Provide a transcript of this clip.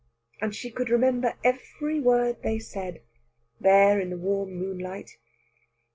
And she could remember every word they said, there in the warm moonlight.